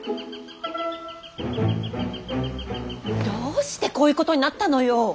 どうしてこういうことになったのよ。